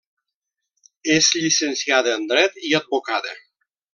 És llicenciada en dret i advocada.